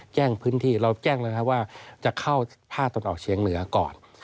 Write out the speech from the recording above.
แจ้งพื้นที่เราแจ้งเลยนะครับว่าจะเข้าภาคตะวันออกเชียงเหนือก่อน